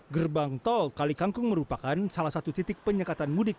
gerbang tol kali kangkung merupakan salah satu titik penyekatan mudik